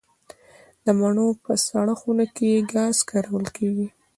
د مڼو په سړه خونه کې ګاز کارول کیږي؟